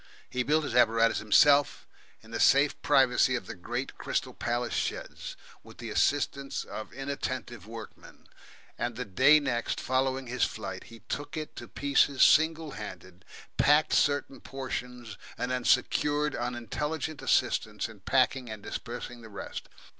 He built his apparatus himself in the safe privacy of the great Crystal Palace sheds, with the assistance of inattentive workmen, and the day next following his flight he took it to pieces single handed, packed certain portions, and then secured unintelligent assistance in packing and dispersing the rest.